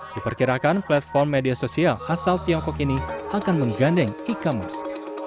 diperkirakan platform media sosial asal tiongkok ini akan menggandeng e commerce